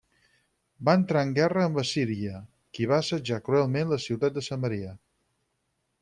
Va entrar en guerra amb Assíria qui va assetjar cruelment la ciutat de Samaria.